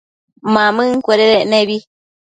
Mamëncuededec nebi